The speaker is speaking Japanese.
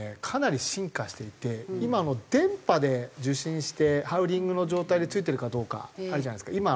かなり進化していて今あの電波で受信してハウリングの状態で付いているかどうかあるじゃないですか。